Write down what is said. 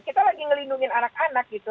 kita lagi ngelindungin anak anak gitu